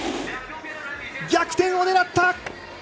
逆転を狙った！